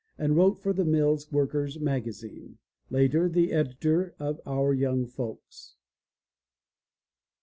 and wrote for the mill worker's magazine. Later the editor of Our Young Folks.